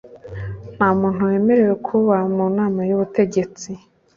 Nta Muntu Wemerewe Kuba Mu Nama Y Ubutegetsi